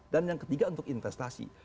dan yang ketiga untuk investasi